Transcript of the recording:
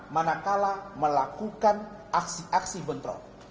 dan juga melakukan aksi aksi bentrok